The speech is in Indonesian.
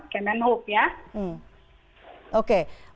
kenan hope ya